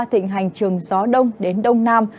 thịnh hành trường gió đông đến đông nam